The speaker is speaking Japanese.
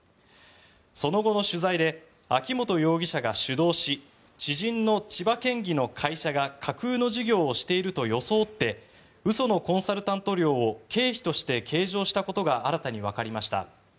その後の取材で秋本容疑者が主導し知人の千葉県議の会社が架空の事業をしていると装って嘘のコンサルタント料を経費として計上したことが新たにわかりました。